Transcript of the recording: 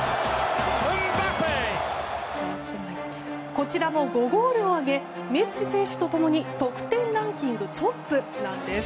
こちらも５ゴールを挙げメッシ選手と共に得点ランキングトップ。